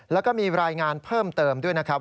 แล้วก็มีรายงานเพิ่มเติมด้วยนะครับ